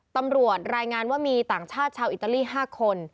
ตำรวจรายงานว่ามีต่างชาติชาวอิตาลี๕คน